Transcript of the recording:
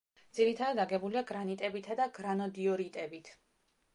ძირითადად აგებულია გრანიტებითა და გრანოდიორიტებით.